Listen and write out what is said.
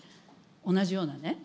同じようなね。